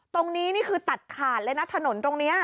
ตรงนี้นี่คือตัดขาดเลยนะถนนตรงนี้